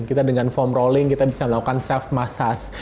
kita dengan form rolling kita bisa melakukan self massage